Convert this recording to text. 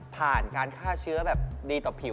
ผ่านการฆ่าเชื้อแบบดีต่อผิว